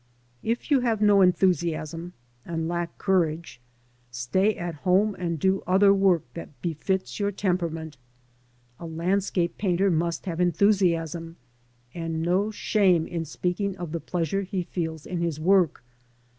If you have no enthusiasm, and lack courage, stay at home and do other work that befits your temperament. A landscape painter must have enthusiasm, and no shame in speaking of the pleasure he feels in his work.